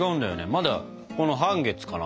まだこの半月かな。